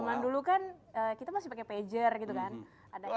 zaman dulu kan kita masih pakai pager gitu kan ada kg toki